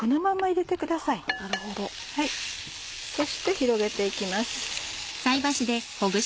そして広げて行きます。